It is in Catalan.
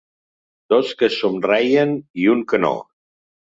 Dos que somreien i un que no.